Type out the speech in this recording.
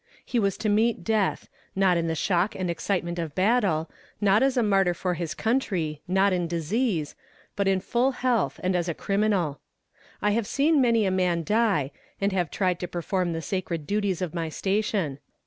He was to meet death, not in the shock and excitement of battle, not as a martyr for his country, not in disease, but in full health, and as a criminal. I have seen many a man die, and have tried to perform the sacred duties of my station.